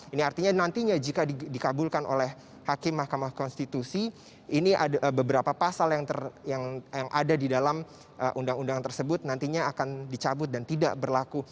ini artinya nantinya jika dikabulkan oleh hakim mahkamah konstitusi ini ada beberapa pasal yang ada di dalam undang undang tersebut nantinya akan dicabut dan tidak berlaku